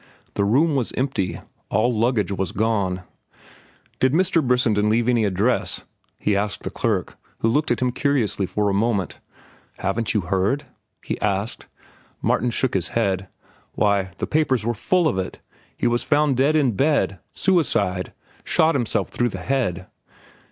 The room was empty. All luggage was gone. "Did Mr. Brissenden leave any address?" he asked the clerk, who looked at him curiously for a moment. "Haven't you heard?" he asked. Martin shook his head. "Why, the papers were full of it. He was found dead in bed. Suicide. Shot himself through the head."